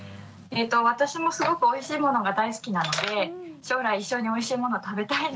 私もすごくおいしいものが大好きなので将来一緒においしいもの食べたいので。